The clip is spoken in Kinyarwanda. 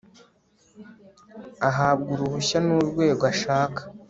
ahabwa uruhushya n'urwego ashaka